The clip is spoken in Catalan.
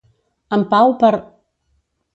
En Pau par